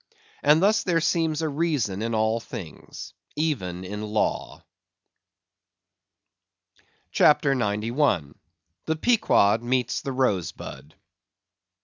And thus there seems a reason in all things, even in law. CHAPTER 91. The Pequod Meets The Rose Bud.